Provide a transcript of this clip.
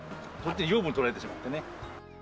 養分とられてしまってね。